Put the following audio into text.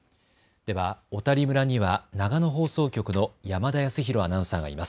では小谷村には長野放送局の山田康弘アナウンサーがいます。